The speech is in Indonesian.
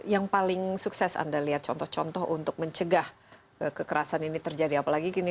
yang paling sukses anda lihat contoh contoh untuk mencegah kekerasan ini terjadi apalagi gini